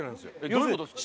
どういう事ですか？